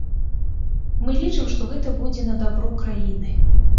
Мы лічым, што гэта будзе на дабро краіны.